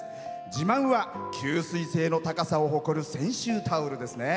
自慢は吸水性の高さを誇る泉州タオルですね。